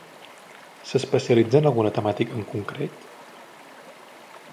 S'especialitza en alguna temàtica en concret?